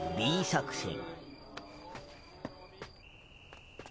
Ｂ作戦。